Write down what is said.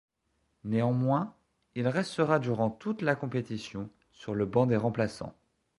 Néanmoins, il restera durant toute la compétition sur le banc des remplaçants.